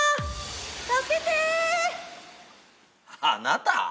「あなた」？